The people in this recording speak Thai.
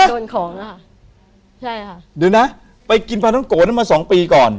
โดนของอ่ะค่ะใช่ค่ะเดี๋ยวนะไปกินปลาท้องโกะนั้นมาสองปีก่อน